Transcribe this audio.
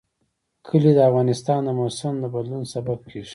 کلي د افغانستان د موسم د بدلون سبب کېږي.